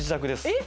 えっ！